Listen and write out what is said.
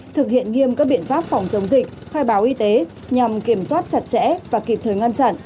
thực hiện nghiêm các biện pháp phòng chống dịch khai báo y tế nhằm kiểm soát chặt chẽ và kịp thời ngăn chặn